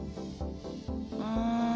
うん。